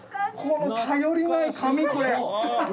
この頼りない紙これ。